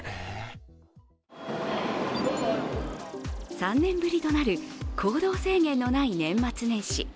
３年ぶりとなる行動制限のない年末年始。